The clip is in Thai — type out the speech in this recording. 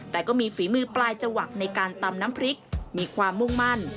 แต่ก็มีฝีมือปลายจังหวะในการตำน้ำพริกมีความมุ่งมั่น